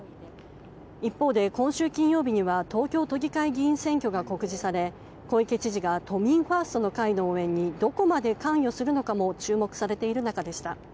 一方で今週金曜日には東京都議会議員選挙が告示され、小池知事が都民ファーストの会の応援にどこまで関与するのかも注目されている中でした。